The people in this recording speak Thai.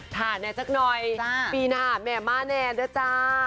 ถ่านแน่สักหน่อยปีหน้าแม่มาแน่ด้วยจ้า